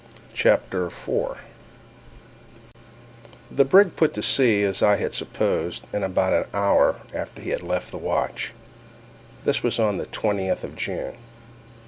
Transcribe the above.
CHAPTER 4 The brig put to sea, as I had supposed, in about an hour after he had left the watch. This was on the twentieth of June.